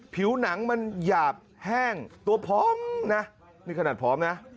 ผิวหนังมันหยาบแห้งตัวพร้อมนะนี่ขนาดพร้อมนะ